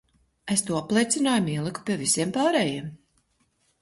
Es to apliecinājumu ieliku pie visiem pārējiem.